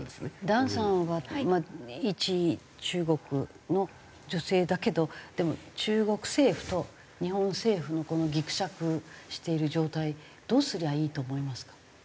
段さんはいち中国の女性だけどでも中国政府と日本政府のギクシャクしている状態どうすればいいと思いますか？